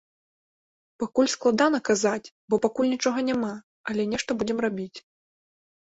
Пакуль складана казаць, бо пакуль нічога няма, але нешта будзем рабіць.